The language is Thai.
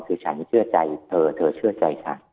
คือฉันเชื่อใจเธอเชื่อใจค่ะ